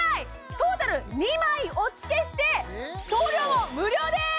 トータル２枚お付けして送料も無料です！